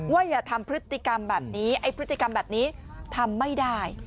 อย่าทำพฤติกรรมแบบนี้ไอ้พฤติกรรมแบบนี้ทำไม่ได้